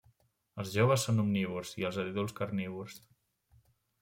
Els joves són omnívors i els adults carnívors.